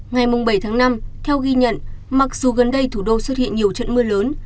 ngày bảy tháng năm theo ghi nhận mặc dù gần đây thủ đô xuất hiện nhiều trận mưa lớn